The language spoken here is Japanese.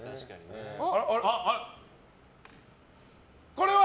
これは？